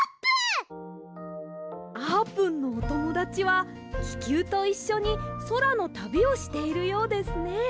あーぷんのおともだちはききゅうといっしょにそらのたびをしているようですね！